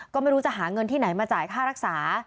ก็ไม่รู้จะหาเงินที่ไหนมาจ่ายค่ารักษา